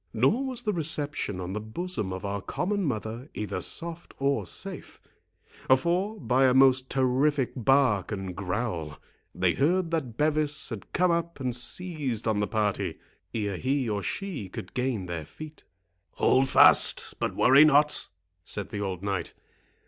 Nor was the reception on the bosom of our common mother either soft or safe; for, by a most terrific bark and growl, they heard that Bevis had come up and seized on the party, ere he or she could gain their feet. "Hold fast, but worry not," said the old knight.